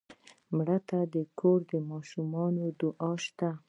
مړه ته د کور د ماشومانو دعا شته